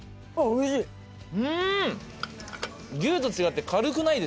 おいしい！